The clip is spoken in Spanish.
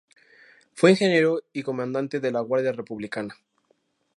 Fue ingeniero y comandante de la Guardia Republicana.